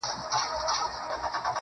باداره ستا رټلی مخلوق موږه رټي اوس